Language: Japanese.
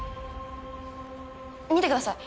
見てください